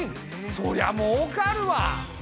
そりゃもうかるわ。